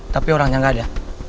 tapi orangnya tidak ada